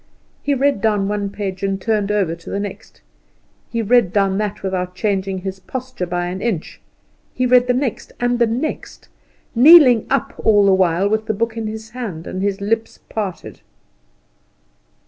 He read down one page and turned over to the next; he read down that without changing his posture by an inch; he read the next, and the next, kneeling up all the while with the book in his hand, and his lips parted.